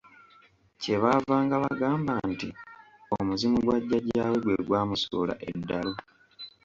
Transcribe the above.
Kye baavanga bagamba nti omuzimu gwa jjajjaawe gwe gwamusuula eddalu.